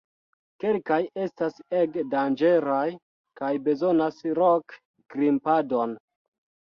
Kelkaj estas ege danĝeraj kaj bezonas rok-grimpadon.